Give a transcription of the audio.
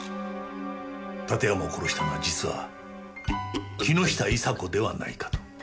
館山を殺したのは実は木下伊沙子ではないかと。